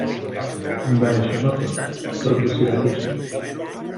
Va néixer a Noto, prop de Siracusa.